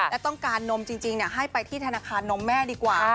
และต้องการนมจริงให้ไปที่ธนาคารนมแม่ดีกว่า